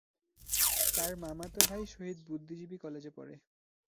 তার মামাতো ভাই শহীদ বুদ্ধিজীবী কলেজে পড়ে।